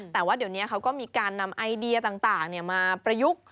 แต่ว่าเดี๋ยวนี้เขาก็มีการนำไอเดียต่างมาประยุกต์